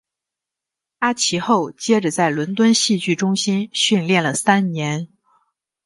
他其后接着在伦敦戏剧中心训练了三年。